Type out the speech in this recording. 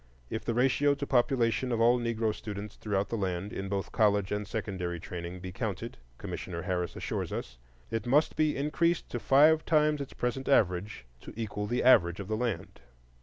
If the ratio to population of all Negro students throughout the land, in both college and secondary training, be counted, Commissioner Harris assures us "it must be increased to five times its present average" to equal the average of the land.